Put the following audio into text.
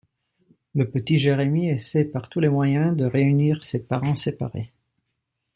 Le petit Jérémie essaie par tous les moyens de réunir ses parents séparés.